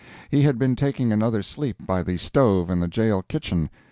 He had been taking another sleep by the stove in the jail kitchen.